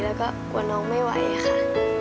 แล้วก็กลัวน้องไม่ไหวค่ะ